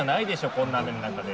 こんな雨の中で。